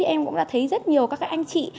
em cũng đã thấy rất nhiều các anh chị